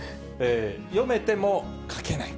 読めても書けない。